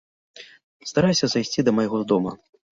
Старайся зайсці да майго дома.